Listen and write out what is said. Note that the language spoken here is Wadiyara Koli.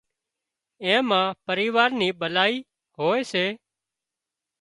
اين مان پريوار نِي ڀلائي هوئي سي